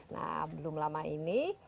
nah belum lama ini